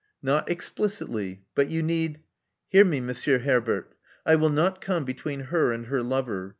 *' Not explicitly. But you need^ —" Hear me. Monsieur Herbert. I will not come between her and her lover.